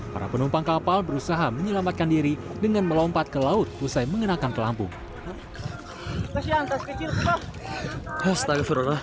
para penumpang kapal berusaha menyelamatkan diri dengan melompat ke laut usai mengenakan pelampung